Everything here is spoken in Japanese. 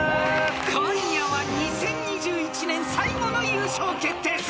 ［今夜は２０２１年最後の優勝決定戦］